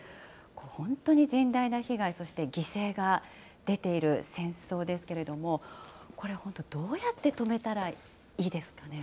本当に甚大な被害、そして犠牲が出ている戦争ですけれども、これ、本当どうやって止めたらいいですかね。